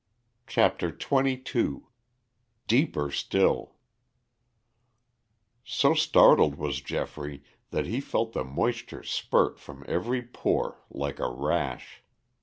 CHAPTER XXII DEEPER STILL So startled was Geoffrey that he felt the moisture spurt from every pore like a rash.